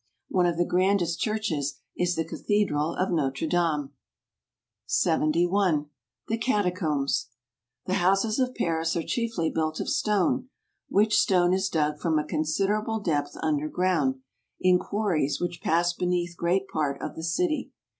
One of the grandest churches, is the cathedral of Notre Dame. 71 . The Catacombs . The houses of Paris are chiefly built of stone, which stone is dug from a considerable deptli under ground, in quarries which pass beneath great part of the city.